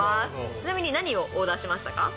ちなみに何をオーダーしましたか？